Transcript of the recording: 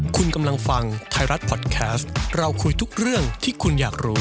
คุณกำลังฟังไทยรัฐพอดแคสต์เราคุยทุกเรื่องที่คุณอยากรู้